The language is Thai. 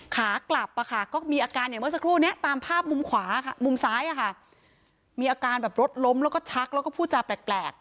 ขากลับก็มีอาการเหมือนจะจะโครงงานศพนะตามภาพมุมขวามุมซ้ายมีอาการแบบรถล้มและเรื่องผู้จาแปลก